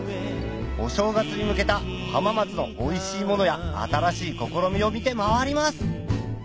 お正月に向けた浜松のおいしいものや新しい試みを見て回ります